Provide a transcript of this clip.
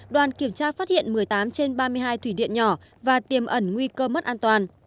đoàn kiểm tra phát hiện một mươi tám trên ba mươi hai thủy điện nhỏ và tiềm ẩn nguy cơ mất an toàn